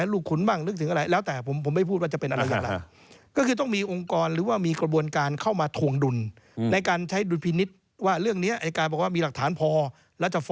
แล้วจะฟ้องคนเข้าไปเป็นจำเรือในศาล